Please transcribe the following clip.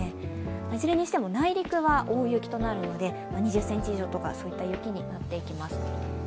いずれにしても内陸は大雪となるので２０ｃｍ以上とかそういった雪になっていきます。